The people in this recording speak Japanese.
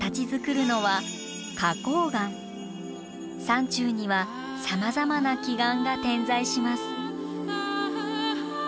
山中にはさまざまな奇岩が点在します。